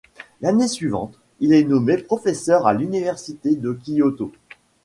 L’année suivante, il est nommé professeur à l’université de Kyoto.